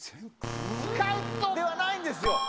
スカウトではないんですよ。